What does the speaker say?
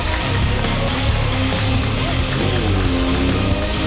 tiga dua satu